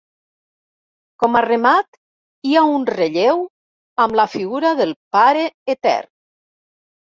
Com a remat hi ha un relleu amb la figura del Pare Etern.